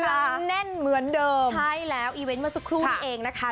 ยังแน่นเหมือนเดิมใช่แล้วอีเวนต์เมื่อสักครู่นี้เองนะคะ